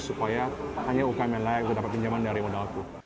supaya hanya ukm yang layak dapat pinjaman dari modalku